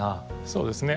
そうですね。